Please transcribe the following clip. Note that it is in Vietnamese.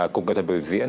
cục nghệ thuật biểu diễn